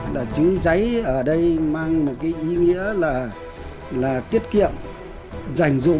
là chữ giấy ở đây mang một ý nghĩa là tiết kiệm giành dụng